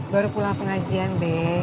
baru pulang pengajian be